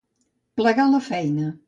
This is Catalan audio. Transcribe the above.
Plegar la feina.